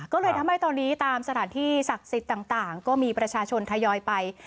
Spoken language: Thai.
ก็เลยทำให้ตอนนี้ตามสถานที่ศักดิ์สิทธิ์ต่างก็มีประชาชนทยอยไป